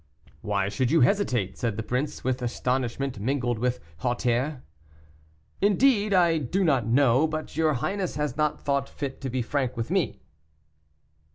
"Why should you hesitate?" said the prince, with astonishment mingled with hauteur. "Indeed, I do not know, but your highness has not thought fit to be frank with me."